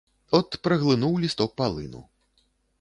От праглынуў лісток палыну.